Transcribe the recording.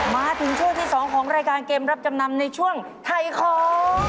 มาถึงช่วงที่๒ของรายการเกมรับจำนำในช่วงถ่ายของ